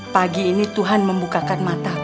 pagi ini tuhan membukakan mata